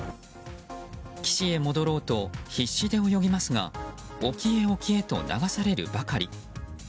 岸へ戻ろうと必死で泳ぎますが沖へ沖へと流されるばかり。